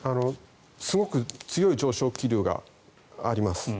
すごく強い上昇気流があります。